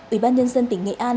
ủy ban nhân dân tỉnh nghệ an